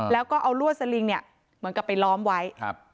แล้วก็เอาลวดสลิงเนี่ยเหมือนกับไปล้อมไว้ครับ